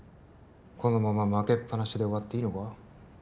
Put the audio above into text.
このまま負けっぱなしで終わっていいのか？